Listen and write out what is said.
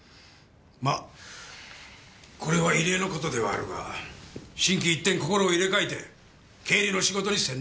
まこれは異例の事ではあるが心機一転心を入れ替えて経理の仕事に専念してもらいたい。